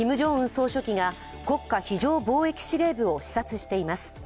総書記が国家非常防疫司令部を視察しています。